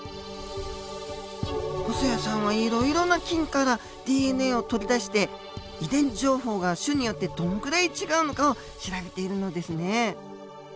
細矢さんはいろいろな菌からＤＮＡを取り出して遺伝情報が種によってどのくらい違うのかを調べているのですね。